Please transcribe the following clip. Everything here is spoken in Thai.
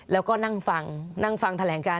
แล้วก็นั่งฟังนั่งฟังแถลงการ